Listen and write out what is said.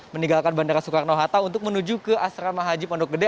meninggalkan bandara soekarno hatta untuk menuju ke asrama haji pondok gede